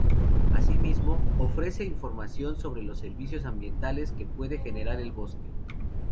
Así mismo, ofrece información sobre los servicios ambientales que puede generar el bosque.